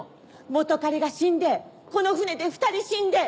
元彼が死んでこの船で２人死んで。